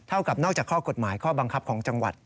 กับนอกจากข้อกฎหมายข้อบังคับของจังหวัด